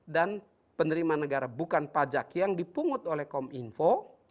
dan penerima negara bukan pajak yang dipungut oleh kominfo